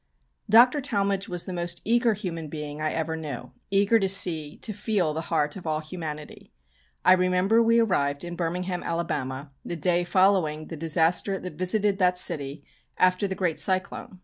Dr. Talmage was the most eager human being I ever knew, eager to see, to feel the heart of all humanity. I remember we arrived in Birmingham, Alabama, the day following the disaster that visited that city after the great cyclone.